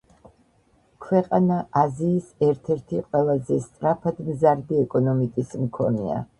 ქვეყანა აზიის ერთ-ერთი ყველაზე სწრაფად მზარდი ეკონომიკის მქონეა.